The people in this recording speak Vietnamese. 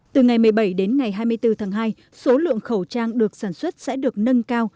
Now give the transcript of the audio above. từ ngày một mươi bảy đến ngày hai mươi bốn tháng hai số lượng khẩu trang được sản xuất sẽ được nâng cao